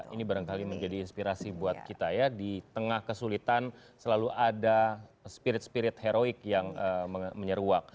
ini barangkali menjadi inspirasi buat kita ya di tengah kesulitan selalu ada spirit spirit heroik yang menyeruak